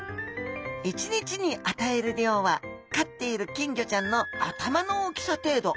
１日に与える量は飼っている金魚ちゃんの頭の大きさ程度。